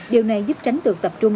điều này giúp tránh được tập trung